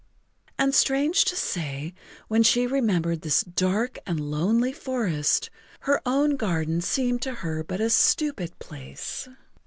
And strange to say, when she remembered this dark and lonely forest her own garden seemed to her but a stupid place.